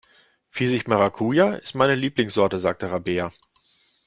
Pfirsich-Maracuja ist meine Lieblingssorte, sagt Rabea.